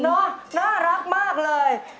นั่วน่ารักมากเลย